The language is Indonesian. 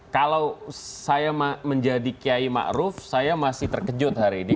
kalau saya menjadi kiai makruf saya masih terkejut hari ini